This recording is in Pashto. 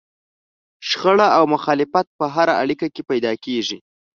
شخړه او مخالفت په هره اړيکه کې پيدا کېږي.